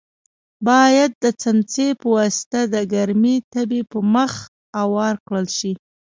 باید د څمڅۍ په واسطه د ګرمې تبۍ پر مخ اوار کړل شي.